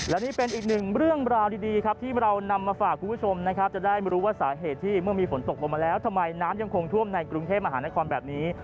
และนี่เป็นอีกหนึ่งเรื่องราวดีครับที่เรานำมาฝากคุณผู้ชมนะครับจะได้รู้ว่าสาเหตุที่เมื่อมีฝนตกลงมาแล้วทำไมน้ำยังคงท่วมในกรุงเทพมหานครแบบนี้